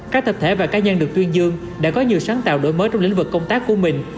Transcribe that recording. các tập thể và cá nhân được tuyên dương đã có nhiều sáng tạo đổi mới trong lĩnh vực công tác của mình